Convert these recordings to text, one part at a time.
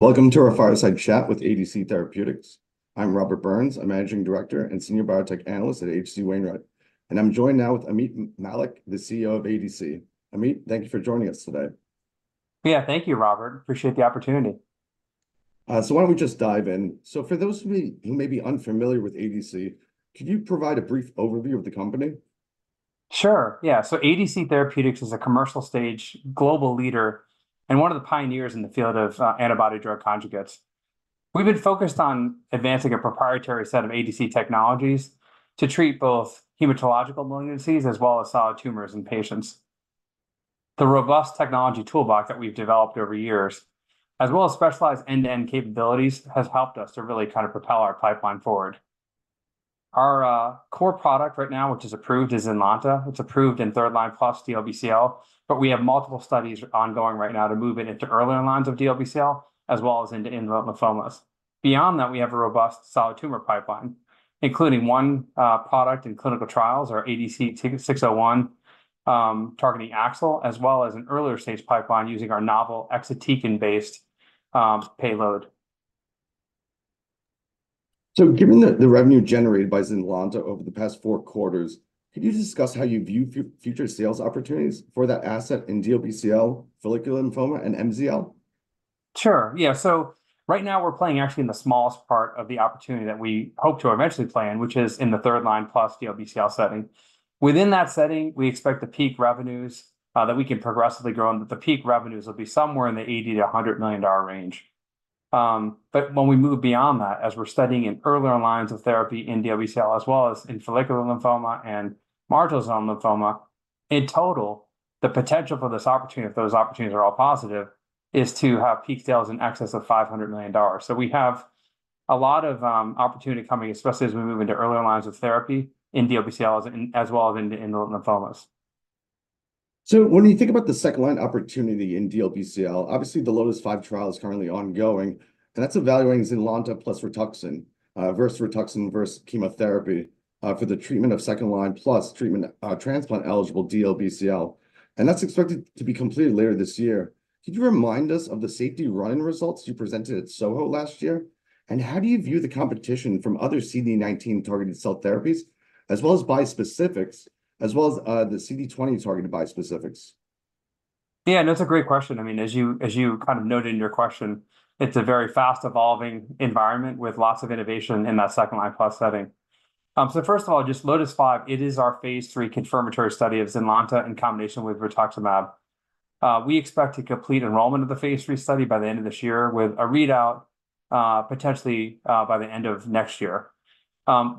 Welcome to our Fireside Chat with ADC Therapeutics. I'm Robert Burns, a managing director and senior biotech analyst at H.C. Wainwright, and I'm joined now with Ameet Mallik, the CEO of ADC. Ameet, thank you for joining us today. Yeah, thank you, Robert. Appreciate the opportunity. Why don't we just dive in? For those of you who may be unfamiliar with ADC, could you provide a brief overview of the company? Sure, yeah, so ADC Therapeutics is a commercial-stage global leader and one of the pioneers in the field of antibody-drug conjugates. We've been focused on advancing a proprietary set of ADC technologies to treat both hematological malignancies as well as solid tumors in patients. The robust technology toolbox that we've developed over years, as well as specialized end-to-end capabilities, has helped us to really kind of propel our pipeline forward. Our core product right now, which is approved, is Zynlonta. It's approved in third-line plus DLBCL, but we have multiple studies ongoing right now to move it into earlier lines of DLBCL, as well as into indolent lymphomas. Beyond that, we have a robust solid tumor pipeline, including one product in clinical trials, our ADCT-601 targeting AXL, as well as an earlier stage pipeline using our novel exatecan-based payload. So given the revenue generated by Zynlonta over the past four quarters, could you discuss how you view future sales opportunities for that asset in DLBCL, follicular lymphoma, and MCL? Sure, yeah. So right now, we're playing actually in the smallest part of the opportunity that we hope to eventually play in, which is in the third-line plus DLBCL setting. Within that setting, we expect the peak revenues that we can progressively grow, and that the peak revenues will be somewhere in the $80-$100 million range. But when we move beyond that, as we're studying in earlier lines of therapy in DLBCL, as well as in follicular lymphoma and marginal zone lymphoma, in total, the potential for this opportunity, if those opportunities are all positive, is to have peak sales in excess of $500 million. So we have a lot of opportunity coming, especially as we move into earlier lines of therapy in DLBCLs, and, as well as in lymphomas. So when you think about the second-line opportunity in DLBCL, obviously the LOTIS-5 trial is currently ongoing, and that's evaluating Zynlonta plus Rituxan versus Rituxan versus chemotherapy for the treatment of second-line plus treatment transplant-eligible DLBCL, and that's expected to be completed later this year. Could you remind us of the safety run-in results you presented at SOHO last year? And how do you view the competition from other CD19-targeted cell therapies, as well as bispecifics, as well as the CD20-targeted bispecifics? Yeah, that's a great question. I mean, as you kind of noted in your question, it's a very fast-evolving environment with lots of innovation in that second-line plus setting. So first of all, just LOTIS-5, it is our phase 3 confirmatory study of Zynlonta in combination with rituximab. We expect to complete enrollment of the phase 3 study by the end of this year, with a readout potentially by the end of next year.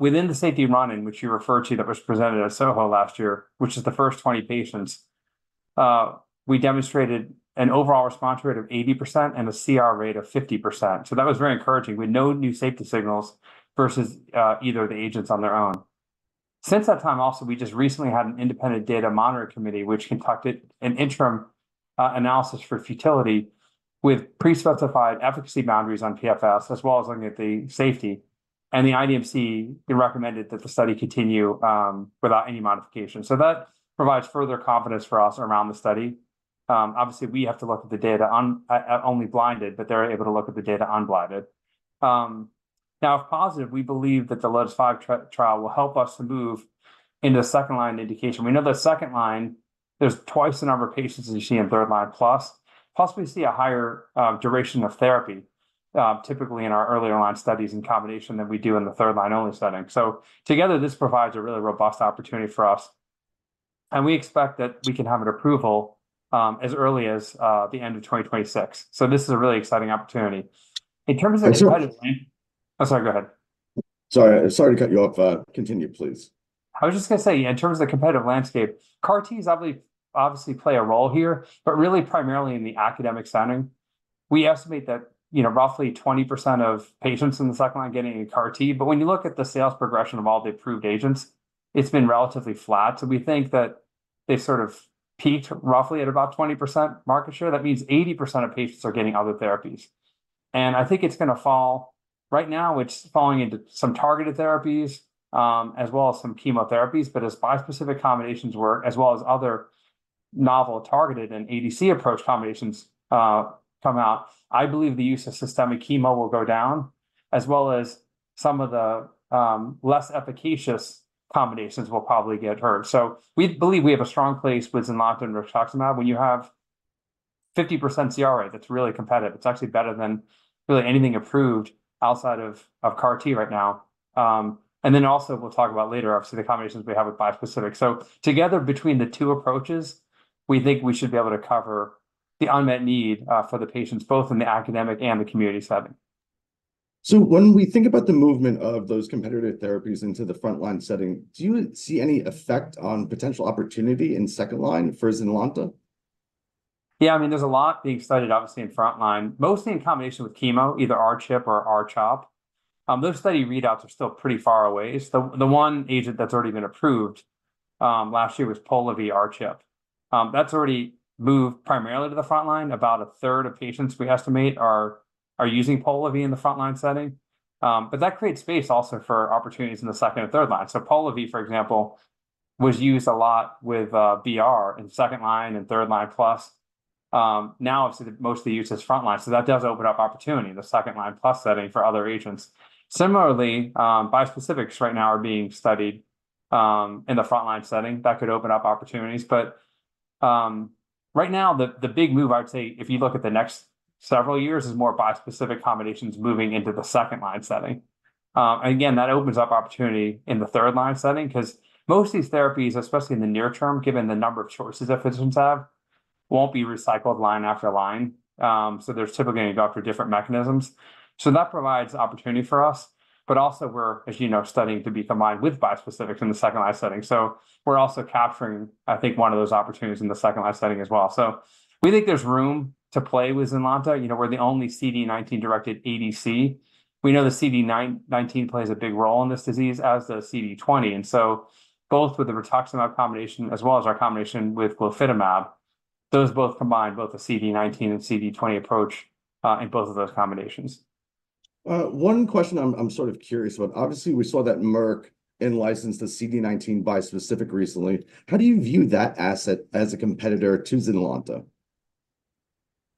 Within the safety run-in, which you referred to, that was presented at SOHO last year, which is the first 20 patients, we demonstrated an overall response rate of 80% and a CR rate of 50%. So that was very encouraging, with no new safety signals versus either of the agents on their own. Since that time, also, we just recently had an independent data monitoring committee, which conducted an interim analysis for futility with pre-specified efficacy boundaries on PFS, as well as looking at the safety. And the IDMC, it recommended that the study continue without any modification. So that provides further confidence for us around the study. Obviously, we have to look at the data only blinded, but they're able to look at the data unblinded. Now, if positive, we believe that the LOTIS-5 trial will help us to move into second-line indication. We know the second line, there's twice the number of patients as you see in third line plus. Plus, we see a higher duration of therapy typically in our earlier line studies and combination than we do in the third line-only setting. So together, this provides a really robust opportunity for us, and we expect that we can have an approval as early as the end of 2026. So this is a really exciting opportunity. In terms of- So- I'm sorry, go ahead. Sorry, sorry to cut you off, continue, please. I was just gonna say, in terms of the competitive landscape, CAR Ts obviously play a role here, but really primarily in the academic setting. We estimate that, you know, roughly 20% of patients in the second line are getting a CAR T, but when you look at the sales progression of all the approved agents, it's been relatively flat. So we think that they sort of peaked roughly at about 20% market share. That means 80% of patients are getting other therapies, and I think it's gonna fall. Right now, it's falling into some targeted therapies, as well as some chemotherapies, but as bispecific combinations work, as well as other novel-targeted and ADC-approach combinations, come out, I believe the use of systemic chemo will go down, as well as some of the less efficacious combinations will probably get hurt. So we believe we have a strong place with Zynlonta and rituximab. When you have 50% CR, that's really competitive. It's actually better than really anything approved outside of CAR T right now. And then also, we'll talk about later, obviously, the combinations we have with bispecific. So together, between the two approaches, we think we should be able to cover the unmet need, for the patients, both in the academic and the community setting. So when we think about the movement of those competitive therapies into the front-line setting, do you see any effect on potential opportunity in second line for Zynlonta? Yeah, I mean, there's a lot being studied, obviously, in frontline, mostly in combination with chemo, either R-CHOP. Those study readouts are still pretty far away. So the one agent that's already been approved last year was Polivy R-CHOP. That's already moved primarily to the frontline. About a third of patients, we estimate, are using Polivy in the frontline setting. But that creates space also for opportunities in the second and third line. So Polivy, for example, was used a lot with BR in second line and third line plus. Now it's mostly used as front line, so that does open up opportunity, the second line plus setting for other agents. Similarly, bispecifics right now are being studied in the front line setting. That could open up opportunities, but right now the big move I would say if you look at the next several years is more bispecific combinations moving into the second line setting. And again, that opens up opportunity in the third line setting, 'cause most of these therapies, especially in the near term, given the number of choices that patients have, won't be recycled line after line. So there's typically going to go after different mechanisms. So that provides opportunity for us, but also we're, as you know, studying to be combined with bispecifics in the second line setting. So we're also capturing, I think, one of those opportunities in the second line setting as well. So we think there's room to play with Zynlonta. You know, we're the only CD19-directed ADC. We know the CD19 plays a big role in this disease, as does CD20, and so both with the rituximab combination, as well as our combination with glofitamab, those both combine both the CD19 and CD20 approach in both of those combinations. One question I'm sort of curious about. Obviously, we saw that Merck in-licensed the CD19 bispecific recently. How do you view that asset as a competitor to Zynlonta?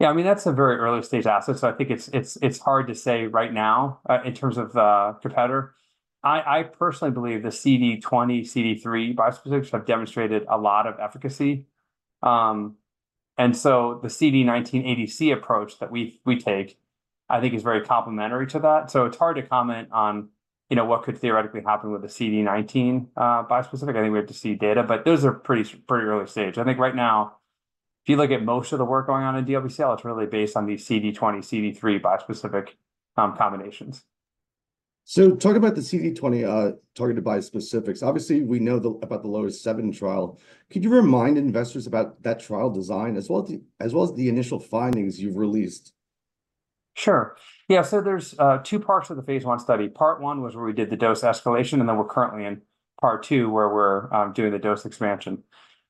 Yeah, I mean, that's a very early-stage asset, so I think it's hard to say right now in terms of a competitor. I personally believe the CD20, CD3 bispecifics have demonstrated a lot of efficacy. And so the CD19 ADC approach that we take, I think is very complementary to that. So it's hard to comment on, you know, what could theoretically happen with the CD19 bispecific. I think we have to see data. But those are pretty early stage. I think right now, if you look at most of the work going on in DLBCL, it's really based on the CD20, CD3 bispecific combinations. Talk about the CD20 targeted bispecifics. Obviously, we know about the LOTIS-7 trial. Could you remind investors about that trial design, as well as the initial findings you've released? Sure. Yeah, so there's two parts of the phase 1 study. Part 1 was where we did the dose escalation, and then we're currently in part 2, where we're doing the dose expansion.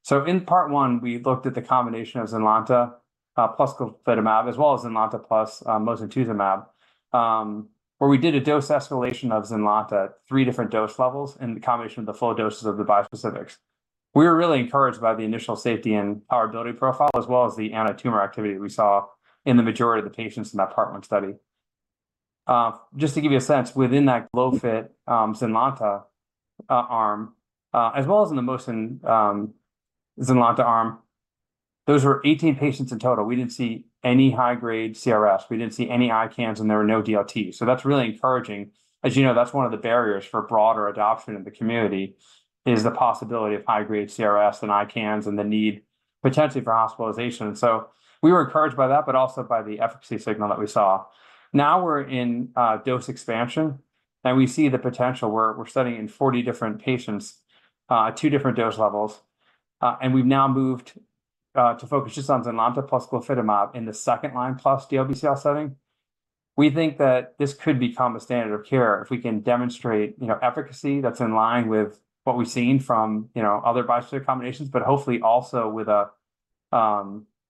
So in part 1, we looked at the combination of Zynlonta plus glofitamab, as well as Zynlonta plus mosunetuzumab, where we did a dose escalation of Zynlonta at three different dose levels in the combination of the full doses of the bispecifics. We were really encouraged by the initial safety and tolerability profile, as well as the anti-tumor activity we saw in the majority of the patients in that part 1 study. Just to give you a sense, within that glofitamab Zynlonta arm, as well as in the mosunetuzumab Zynlonta arm, those were 18 patients in total. We didn't see any high-grade CRS. We didn't see any ICANS, and there were no DLTs, so that's really encouraging. As you know, that's one of the barriers for broader adoption in the community, is the possibility of high-grade CRS and ICANS, and the need potentially for hospitalization. So we were encouraged by that, but also by the efficacy signal that we saw. Now we're in dose expansion, and we see the potential where we're studying in 40 different patients, two different dose levels. And we've now moved to focus just on Zynlonta plus glofitamab in the second line plus DLBCL setting. We think that this could become a standard of care if we can demonstrate, you know, efficacy that's in line with what we've seen from, you know, other bispecific combinations, but hopefully also with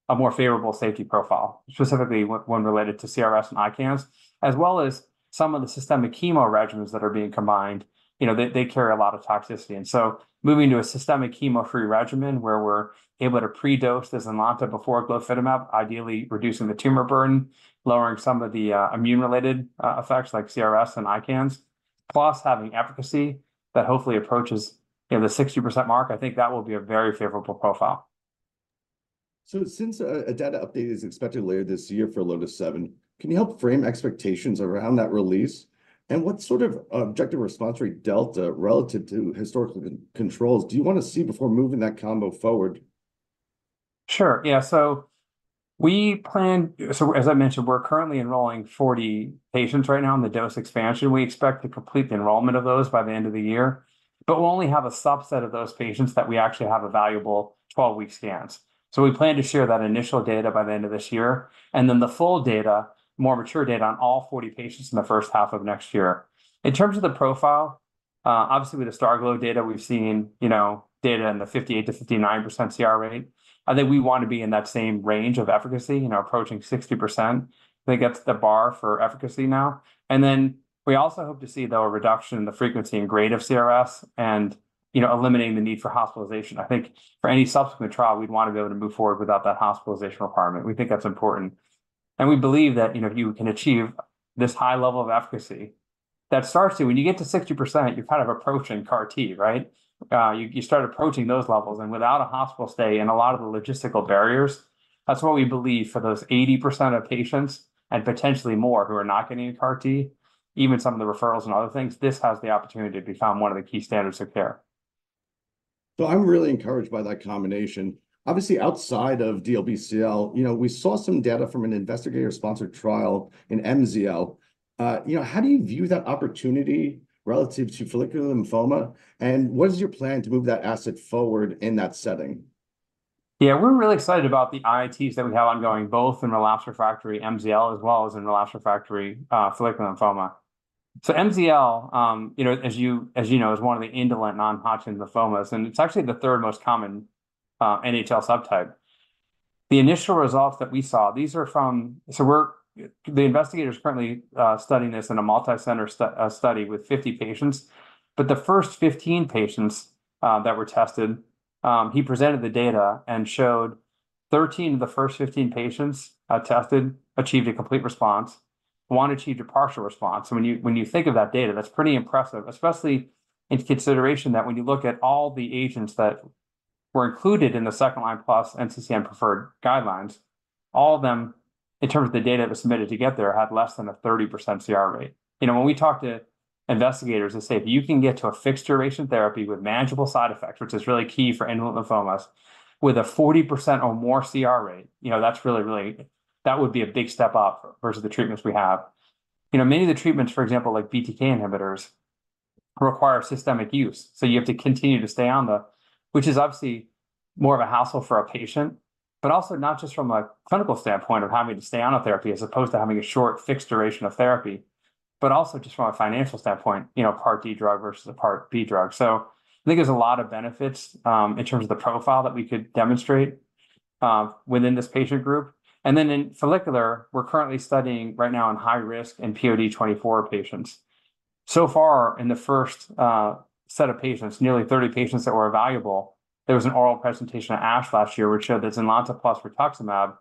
a more favorable safety profile, specifically one related to CRS and ICANS, as well as some of the systemic chemo regimens that are being combined. You know, they carry a lot of toxicity, and so moving to a systemic chemo-free regimen where we're able to pre-dose the Zynlonta before glofitamab, ideally reducing the tumor burden, lowering some of the immune-related effects, like CRS and ICANS, plus having efficacy that hopefully approaches, you know, the 60% mark, I think that will be a very favorable profile. Since a data update is expected later this year for LOTIS-7, can you help frame expectations around that release? What sort of objective response rate delta relative to historical controls do you want to see before moving that combo forward? Sure. Yeah, so we plan. So as I mentioned, we're currently enrolling forty patients right now in the dose expansion. We expect to complete the enrollment of those by the end of the year, but we'll only have a subset of those patients that we actually have evaluable twelve-week scans. So we plan to share that initial data by the end of this year, and then the full data, more mature data, on all forty patients in the first half of next year. In terms of the profile, obviously with the STARGLOW data, we've seen, you know, data in the 58%-59% CR rate. I think we want to be in that same range of efficacy, you know, approaching 60%. I think that's the bar for efficacy now. And then we also hope to see, though, a reduction in the frequency and grade of CRS, and, you know, eliminating the need for hospitalization. I think for any subsequent trial, we'd want to be able to move forward without that hospitalization requirement. We think that's important. And we believe that, you know, you can achieve this high level of efficacy. That starts to... When you get to 60%, you're kind of approaching CAR T, right? You start approaching those levels, and without a hospital stay and a lot of the logistical barriers. That's what we believe for those 80% of patients, and potentially more, who are not getting a CAR T, even some of the referrals and other things, this has the opportunity to become one of the key standards of care. So I'm really encouraged by that combination. Obviously, outside of DLBCL, you know, we saw some data from an investigator-sponsored trial in MCL. You know, how do you view that opportunity relative to follicular lymphoma, and what is your plan to move that asset forward in that setting? Yeah, we're really excited about the IITs that we have ongoing, both in relapsed refractory MCL, as well as in relapsed refractory follicular lymphoma, so MCL, you know, as you know, is one of the indolent non-Hodgkin lymphomas, and it's actually the third-most common NHL subtype. The initial results that we saw, these are, the investigator's currently studying this in a multi-center study with 50 patients, but the first 15 patients that were tested, he presented the data and showed 13 of the first 15 patients tested achieved a complete response. One achieved a partial response. And when you think of that data, that's pretty impressive, especially into consideration that when you look at all the agents that were included in the second-line plus NCCN preferred guidelines, all of them, in terms of the data that was submitted to get there, had less than a 30% CR rate. You know, when we talk to investigators and say, "If you can get to a fixed-duration therapy with manageable side effects," which is really key for indolent lymphomas, "with a 40% or more CR rate," you know, that's really, really... That would be a big step up versus the treatments we have. You know, many of the treatments, for example, like BTK inhibitors, require systemic use, so you have to continue to stay on the, which is obviously more of a hassle for a patient. But also not just from a clinical standpoint of having to stay on a therapy as opposed to having a short, fixed duration of therapy, but also just from a financial standpoint, you know, Part D drug versus a Part B drug. So I think there's a lot of benefits in terms of the profile that we could demonstrate within this patient group. And then in follicular, we're currently studying right now on high-risk and POD24 patients. So far, in the first set of patients, nearly 30 patients that were evaluable, there was an oral presentation at ASH last year, which showed that Zynlonta plus rituximab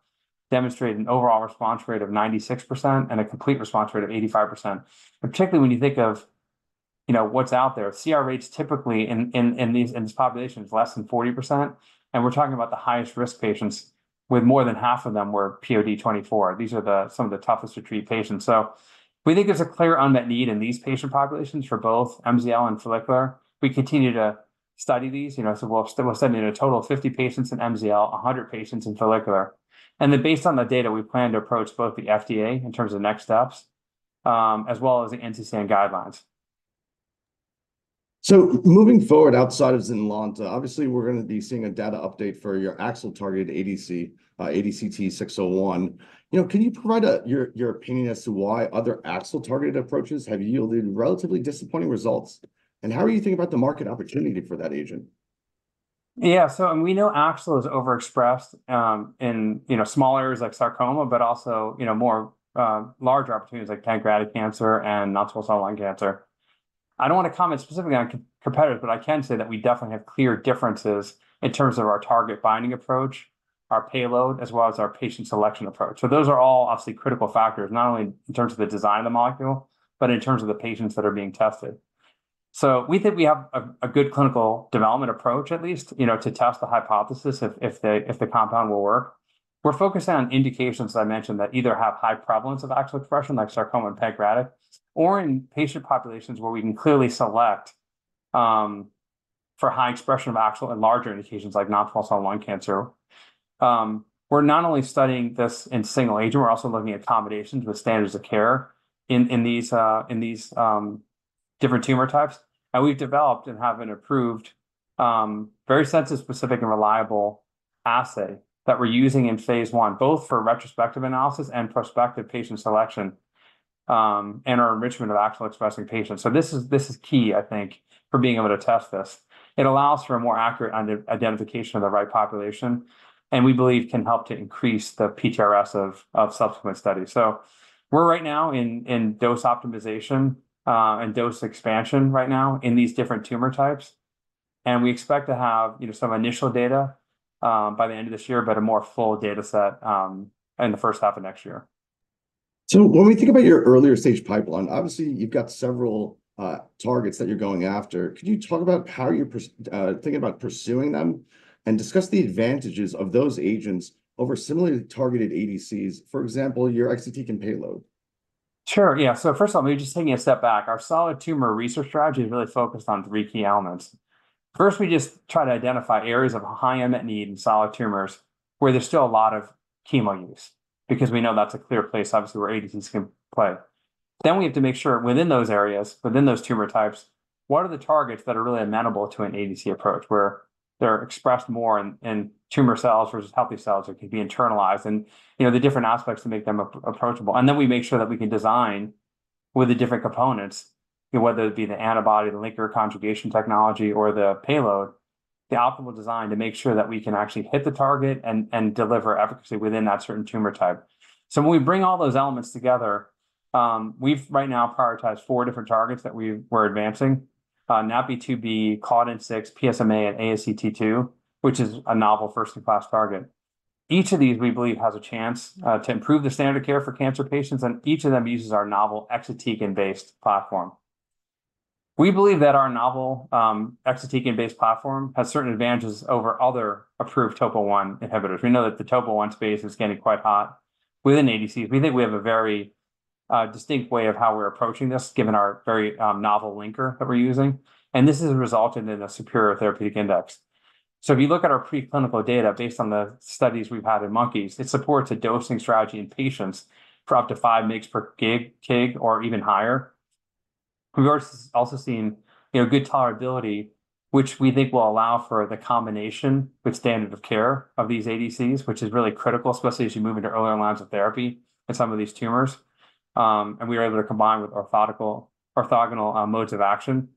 demonstrated an overall response rate of 96% and a complete response rate of 85%. Particularly when you think of, you know, what's out there, CR rates typically in this population is less than 40%, and we're talking about the highest-risk patients with more than half of them were POD24. These are some of the toughest-to-treat patients. So we think there's a clear unmet need in these patient populations for both MCL and follicular. We continue to study these. You know, so we'll study a total of 50 patients in MCL, 100 patients in follicular. And then based on the data, we plan to approach both the FDA, in terms of next steps, as well as the NCCN guidelines. So moving forward, outside of Zynlonta, obviously, we're gonna be seeing a data update for your AXL-targeted ADC, ADCT-601. You know, can you provide your opinion as to why other AXL-targeted approaches have yielded relatively disappointing results? And how are you thinking about the market opportunity for that agent? Yeah, so and we know AXL is overexpressed in you know small areas like sarcoma, but also, you know, more larger opportunities like pancreatic cancer and non-small cell lung cancer. I don't want to comment specifically on competitors, but I can say that we definitely have clear differences in terms of our target binding approach, our payload, as well as our patient selection approach. So those are all obviously critical factors, not only in terms of the design of the molecule, but in terms of the patients that are being tested. So we think we have a good clinical development approach, at least, you know, to test the hypothesis if the compound will work. We're focusing on indications that I mentioned that either have high prevalence of AXL expression, like sarcoma and pancreatic, or in patient populations where we can clearly select for high expression of AXL in larger indications, like non-small cell lung cancer. We're not only studying this in single agent, we're also looking at combinations with standards of care in these different tumor types, and we've developed and have an approved very sensitive and specific assay that we're using in phase one, both for retrospective analysis and prospective patient selection and our enrichment of AXL-expressing patients, so this is key, I think, for being able to test this. It allows for a more accurate identification of the right population, and we believe can help to increase the PTRS of subsequent studies. So we're right now in dose optimization and dose expansion right now in these different tumor types. And we expect to have, you know, some initial data by the end of this year, but a more full data set in the first half of next year. So when we think about your earlier-stage pipeline, obviously, you've got several targets that you're going after. Could you talk about how you're thinking about pursuing them, and discuss the advantages of those agents over similarly targeted ADCs, for example, your exatecan payload? Sure, yeah, so first off, let me just take a step back. Our solid tumor research strategy is really focused on three key elements. First, we just try to identify areas of high unmet need in solid tumors where there's still a lot of chemo use, because we know that's a clear place, obviously, where ADCs can play. Then we have to make sure within those areas, within those tumor types, what are the targets that are really amenable to an ADC approach, where they're expressed more in tumor cells versus healthy cells that can be internalized, and, you know, the different aspects that make them approachable. Then we make sure that we can design with the different components, whether it be the antibody, the linker conjugation technology, or the payload, the optimal design to make sure that we can actually hit the target and deliver efficacy within that certain tumor type. When we bring all those elements together, we've right now prioritized four different targets that we're advancing: NaPi2b, Claudin-6, PSMA, and ASCT2, which is a novel first-in-class target. Each of these, we believe, has a chance to improve the standard of care for cancer patients, and each of them uses our novel exatecan-based platform. We believe that our novel exatecan-based platform has certain advantages over other approved TOPO1 inhibitors. We know that the TOPO1 space is getting quite hot within ADCs. We think we have a very distinct way of how we're approaching this, given our very novel linker that we're using, and this has resulted in a superior therapeutic index. So if you look at our preclinical data, based on the studies we've had in monkeys, it supports a dosing strategy in patients for up to five mg per kg or even higher. We've also seen, you know, good tolerability, which we think will allow for the combination with standard of care of these ADCs, which is really critical, especially as you move into earlier lines of therapy in some of these tumors. And we are able to combine with orthogonal modes of action.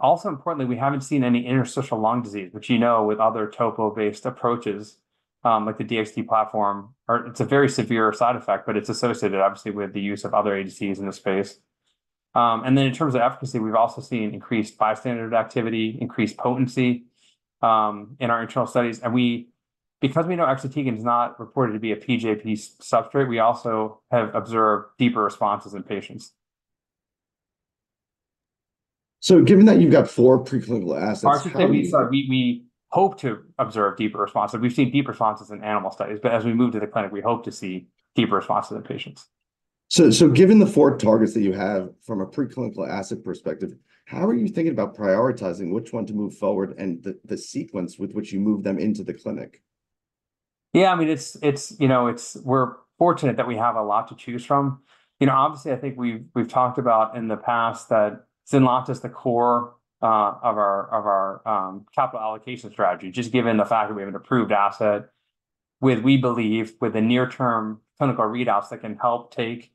Also importantly, we haven't seen any interstitial lung disease, which, you know, with other TOPO-based approaches, like the DXd platform, it's a very severe side effect, but it's associated obviously with the use of other ADCs in this space. And then in terms of efficacy, we've also seen increased bystander activity, increased potency, in our internal studies. And because we know exatecan is not reported to be a Pgp substrate, we also have observed deeper responses in patients. Given that you've got four preclinical assets, how- I should say we, we hope to observe deeper responses. We've seen deeper responses in animal studies, but as we move to the clinic, we hope to see deeper responses in patients. So, given the four targets that you have from a preclinical asset perspective, how are you thinking about prioritizing which one to move forward and the sequence with which you move them into the clinic? Yeah, I mean, it's, you know, it's. We're fortunate that we have a lot to choose from. You know, obviously, I think we've talked about in the past that Zynlonta is the core of our capital allocation strategy, just given the fact that we have an approved asset with, we believe, with the near-term clinical readouts that can help take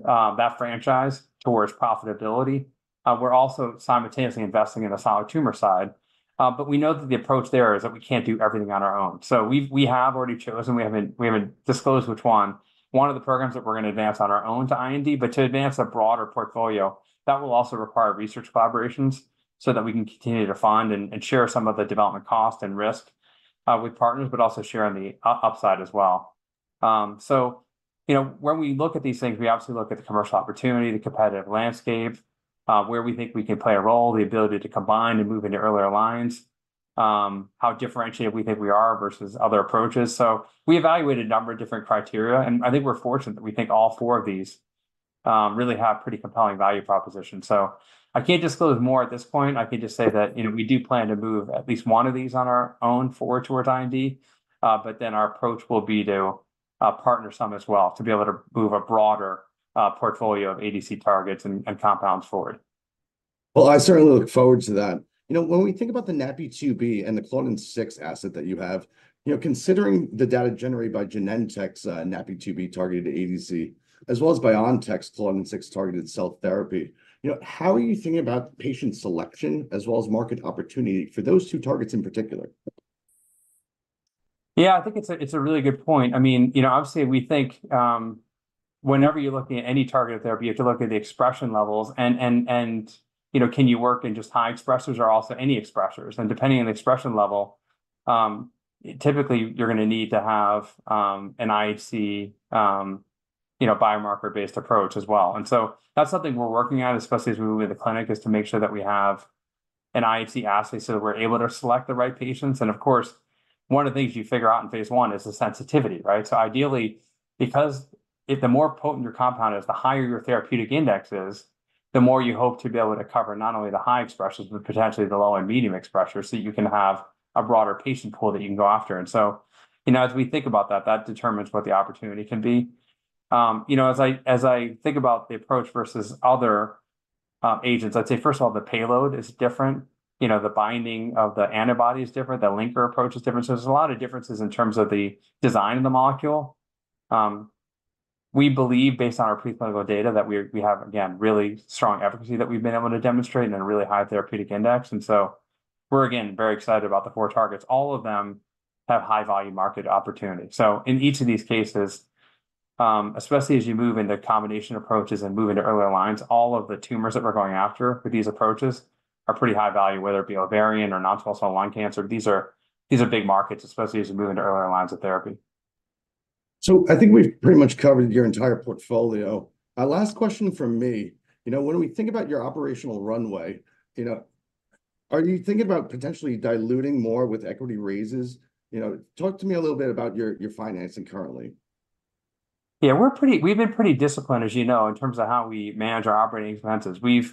that franchise towards profitability. We're also simultaneously investing in the solid tumor side. But we know that the approach there is that we can't do everything on our own. So we have already chosen. We haven't disclosed which one of the programs that we're going to advance on our own to IND, but to advance a broader portfolio, that will also require research collaborations so that we can continue to fund and share some of the development costs and risk with partners, but also share on the upside as well. You know, when we look at these things, we obviously look at the commercial opportunity, the competitive landscape, where we think we can play a role, the ability to combine and move into earlier lines, how differentiated we think we are versus other approaches, so we evaluate a number of different criteria, and I think we're fortunate that we think all four of these really have pretty compelling value propositions. So I can't disclose more at this point. I can just say that, you know, we do plan to move at least one of these on our own forward towards IND, but then our approach will be to, partner some as well, to be able to move a broader, portfolio of ADC targets and compounds forward. I certainly look forward to that. You know, when we think about the NaPi2b and the claudin-6 asset that you have, you know, considering the data generated by Genentech's NaPi2b-targeted ADC, as well as BioNTech's claudin-6 targeted cell therapy, you know, how are you thinking about patient selection as well as market opportunity for those two targets in particular? Yeah, I think it's a really good point. I mean, you know, obviously, we think, whenever you're looking at any targeted therapy, you have to look at the expression levels and, you know, can you work in just high expressers or also any expressers? And depending on the expression level, typically, you're going to need to have an IHC, you know, biomarker-based approach as well. And so that's something we're working on, especially as we move into the clinic, is to make sure that we have an IHC assay so that we're able to select the right patients. And of course, one of the things you figure out in phase 1 is the sensitivity, right? So ideally, because if the more potent your compound is, the higher your therapeutic index is, the more you hope to be able to cover not only the high expressers, but potentially the low and medium expressers, so you can have a broader patient pool that you can go after. And so, you know, as we think about that, that determines what the opportunity can be. You know, as I think about the approach versus other agents, I'd say, first of all, the payload is different. You know, the binding of the antibody is different, the linker approach is different. So there's a lot of differences in terms of the design of the molecule. We believe, based on our preclinical data, that we have, again, really strong efficacy that we've been able to demonstrate and a really high therapeutic index. And so we're again very excited about the four targets. All of them have high-value market opportunity. So in each of these cases, especially as you move into combination approaches and move into earlier lines, all of the tumors that we're going after with these approaches are pretty high value, whether it be ovarian or non-small cell lung cancer. These are big markets, especially as you move into earlier lines of therapy. So I think we've pretty much covered your entire portfolio. Last question from me. You know, when we think about your operational runway, you know, are you thinking about potentially diluting more with equity raises? You know, talk to me a little bit about your financing currently. Yeah, we've been pretty disciplined, as you know, in terms of how we manage our operating expenses. We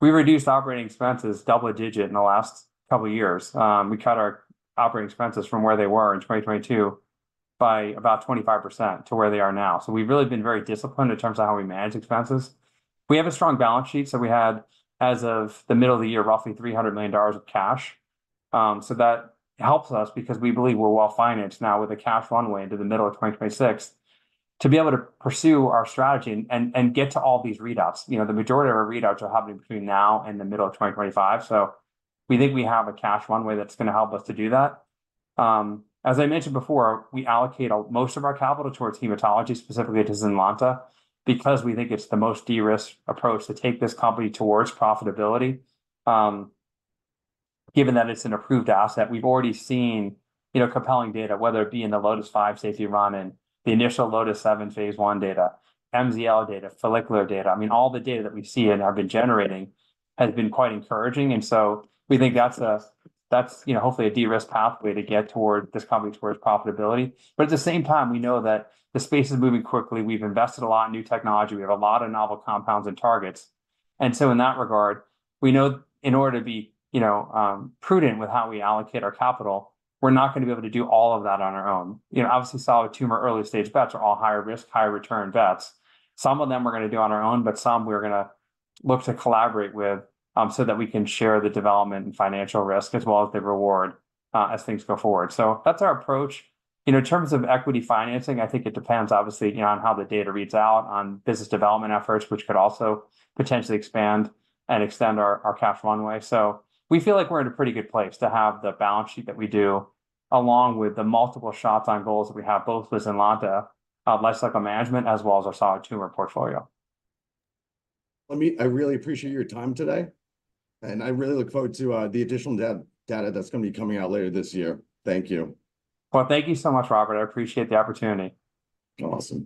reduced operating expenses double digit in the last couple of years. We cut our operating expenses from where they were in twenty twenty-two by about 25% to where they are now. We've really been very disciplined in terms of how we manage expenses. We have a strong balance sheet, so we had, as of the middle of the year, roughly $300 million of cash. That helps us because we believe we're well-financed now with a cash runway into the middle of twenty twenty-six, to be able to pursue our strategy and get to all these readouts. You know, the majority of our readouts are happening between now and the middle of 2025, so we think we have a cash runway that's going to help us to do that. As I mentioned before, we allocate most of our capital towards hematology, specifically to Zynlonta, because we think it's the most de-risk approach to take this company towards profitability. Given that it's an approved asset, we've already seen, you know, compelling data, whether it be in the LOTIS-5 safety run-in, the initial LOTIS-7 phase 1 data, MZL data, follicular data. I mean, all the data that we've seen and have been generating has been quite encouraging, and so we think that's, you know, hopefully a de-risk pathway to get toward this company towards profitability. But at the same time, we know that the space is moving quickly. We've invested a lot in new technology. We have a lot of novel compounds and targets, and so in that regard, we know in order to be, you know, prudent with how we allocate our capital, we're not going to be able to do all of that on our own. You know, obviously, solid tumor, early-stage bets are all higher-risk, higher-return bets. Some of them we're going to do on our own, but some we're going to look to collaborate with, so that we can share the development and financial risk as well as the reward, as things go forward, so that's our approach. You know, in terms of equity financing, I think it depends, obviously, you know, on how the data reads out on business development efforts, which could also potentially expand and extend our cash runway. So we feel like we're in a pretty good place to have the balance sheet that we do, along with the multiple shots on goals that we have, both with Zynlonta, lifecycle management, as well as our solid tumor portfolio. Me, I really appreciate your time today, and I really look forward to the additional data that's going to be coming out later this year. Thank you. Thank you so much, Robert. I appreciate the opportunity. Awesome.